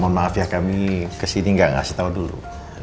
mohon maaf ya kami kesini gak ngasih tau dulu